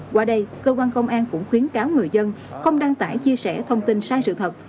qua đây cơ quan công an cũng khuyến cáo người dân không đăng tải chia sẻ thông tin sai sự thật